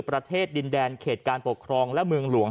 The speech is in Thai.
ประเทศดินแดนเขตการปกครองและเมืองหลวง